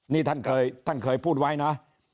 นี่ท่านเคยท่านเคยพูดไว้นะ